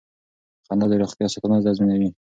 خندا د روغتیا ساتنه تضمینوي.